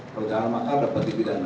pelaksanaan makar dapat dipidana